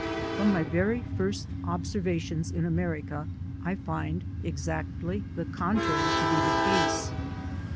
From my very first observations in America, I find exactly the contrary to be the case.